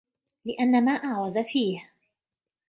لِأَنَّ مَا أَعْوَزَ فِيهِ